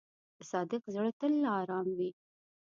د صادق زړه تل آرام وي.